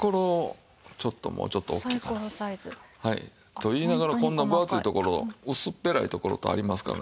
と言いながらこんな分厚いところ薄っぺらいところとありますけどね。